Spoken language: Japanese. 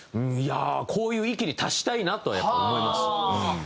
こういう域に達したいなとはやっぱ思います。